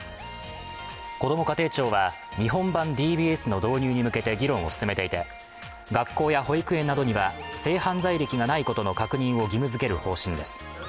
こども家庭庁は日本版ＤＢＳの導入に向けて議論を進めていて、学校や保育園などには性犯罪歴がないことの確認を義務づける方針です。